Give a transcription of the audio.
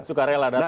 suka rela datang